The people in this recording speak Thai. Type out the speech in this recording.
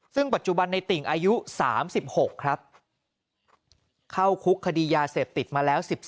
ซึ่งปัจจุบันในติ่งอายุ๓๖ครับเข้าคุกคดียาเสพติดมาแล้ว๑๔